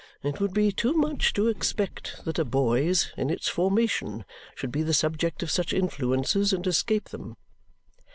It would be too much to expect that a boy's, in its formation, should be the subject of such influences and escape them."